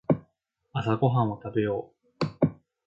朝ごはんを食べよう。